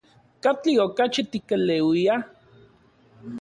¿Katli okachi tikeleuia?